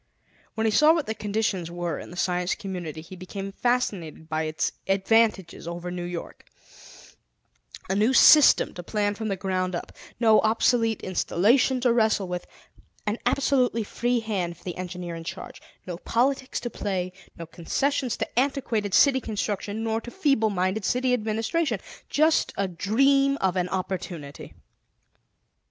When he saw what the conditions were in the Science Community, he became fascinated by its advantages over New York; a new system to plan from the ground up; no obsolete installation to wrestle with; an absolutely free hand for the engineer in charge; no politics to play; no concessions to antiquated city construction, nor to feeble minded city administration just a dream of an opportunity.